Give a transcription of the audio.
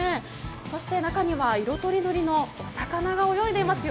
そして中には色とりどりの魚が泳いでいますよ。